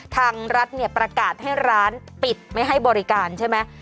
ทางรัฐเนี่ยประกาศให้ร้านปิดไม่ให้บริการใช่ไหม